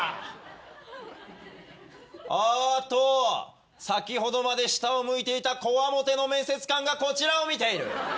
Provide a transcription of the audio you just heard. あっと先ほどまで下を向いていたこわもての面接官がこちらを見ている。